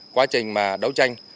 quá trình mà đấu tranh